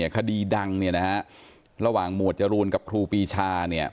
คดีดังระหว่างหมวดจรูนกับครูปีชา